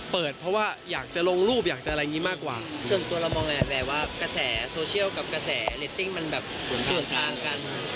เปิดเพราะว่าอยากจะลงรูปอยากจะอะไรอย่างนี้มากกว่า